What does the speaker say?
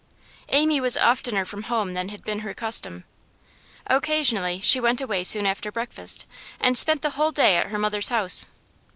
Amy was oftener from home than had been her custom. Occasionally she went away soon after breakfast, and spent the whole day at her mother's house.